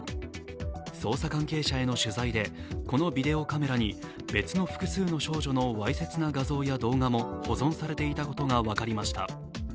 捜査関係者への取材で、このビデオカメラに別の複数の少女のわいせつな画像や動画も保存されていたことが分かりました。